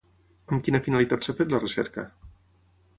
Amb quina finalitat s'ha fet la recerca?